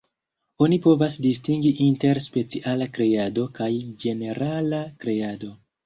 Oni povas distingi inter 'speciala kreado' kaj ĝenerala kreado.